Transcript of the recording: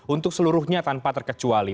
untuk seluruhnya tanpa terkecuali